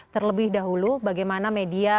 terlebih dahulu bagaimana media